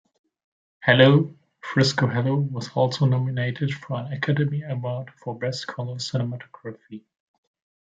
"Hello, Frisco, Hello" was also nominated for an Academy Award for Best Color Cinematography.